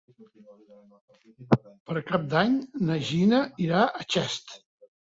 Per Cap d'Any na Gina irà a Xest.